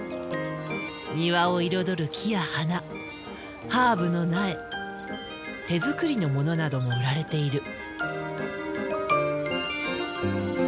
庭を彩る木や花ハーブの苗手作りのものなども売られている。